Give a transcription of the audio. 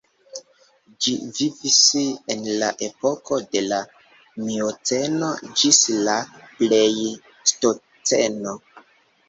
Ĝi vivis en la epoko de la Mioceno ĝis la Plejstoceno.